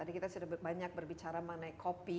tadi kita sudah banyak berbicara mengenai kopi